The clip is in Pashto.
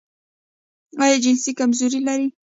ایا جنسي کمزوري لرئ؟